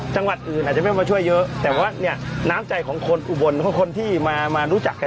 จังหวัดอื่นอาจจะไม่มาช่วยเยอะแต่ว่าเนี่ยน้ำใจของคนอุบลของคนที่มารู้จักกัน